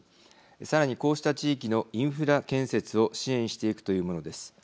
さらにこうした地域のインフラ建設を支援していくというものです。